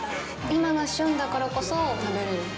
今が旬だからこそ食べられる。